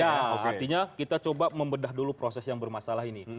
ya artinya kita coba membedah dulu proses yang bermasalah ini